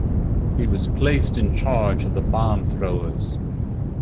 He was placed in charge of the bomb-throwers.